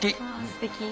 すてき。